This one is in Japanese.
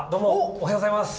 おはようございます！